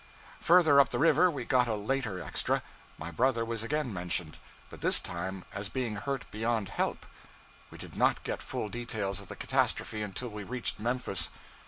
Further up the river we got a later extra. My brother was again mentioned; but this time as being hurt beyond help. We did not get full details of the catastrophe until we reached Memphis.